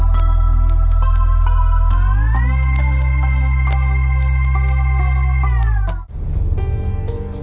โปรดติดตามต่อไป